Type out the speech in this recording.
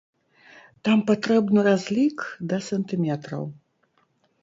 Там патрэбны разлік да сантыметраў.